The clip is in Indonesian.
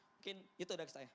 mungkin itu dari saya